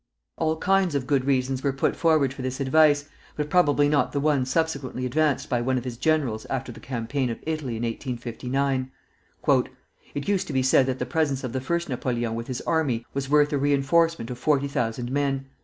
All kinds of good reasons were put forward for this advice, but probably not the one subsequently advanced by one of his generals after the campaign of Italy in 1859. "It used to be said that the presence of the First Napoleon with his army was worth a reinforcement of forty thousand men.